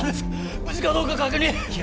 無事かどうか確認いや